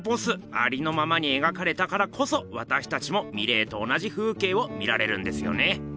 ありのままに描かれたからこそわたしたちもミレーと同じ風景を見られるんですよね。